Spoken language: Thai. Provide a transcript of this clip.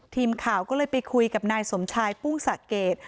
ทีมข่าวก็เลยไปคุยกับนายสมชายปุ้งสะเกด